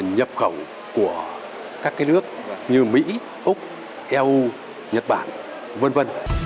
nhập khẩu của các nước như mỹ úc eu nhật bản v v